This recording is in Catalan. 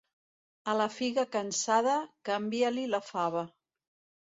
A la figa cansada, canvia-li la fava.